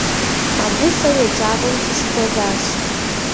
Абы сэ еджапӏэм сыщыхуэзащ.